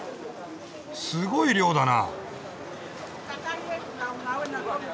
すごい量だな。